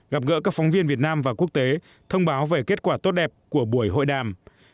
gặp gỡ các phóng viên việt nam và quốc tế thông báo về kết quả tốt đẹp của buổi hội đàm